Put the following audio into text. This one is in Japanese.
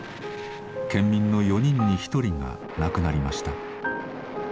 県民の４人に１人が亡くなりました。